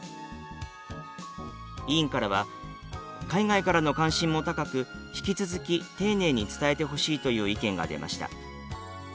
委員からは「海外からの関心も高く引き続き丁寧に伝えてほしい」という意見が出ました。